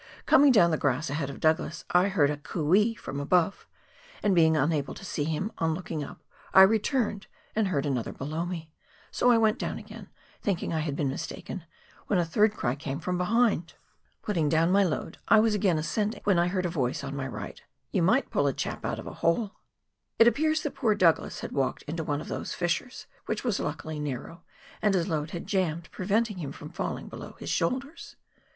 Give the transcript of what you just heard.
Coming down the grass ahead of Douglas, I heard a " coo ee " from above, and being unable to see him on looking up, I returned and heard another below me, so I went down again, thinking I had been mistaken, when a third cry came from behind. Putting down 76 PIONEER WOEK IN THE ALPS OF NEW ZEALAND. my load, I was again ascending, when I heard a voice on my right, " You might pull a chap out of a hole !" It appears that poor Douglas had walked into one of those fissures, which was luckily narrow, and his load had jammed, preventing him from falling below his shoulders.